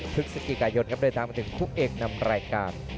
พฤกษกีกายนครครับโดยทางมาถึงคู่เอกนำรายการ